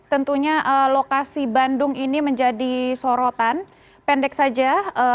tentunya lokasi bandung ini menjadi sorotan pendek saja